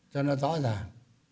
cho nó rõ ràng